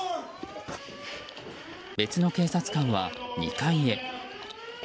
別の警察官は２階へ。